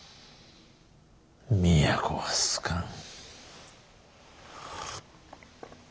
都は好かん。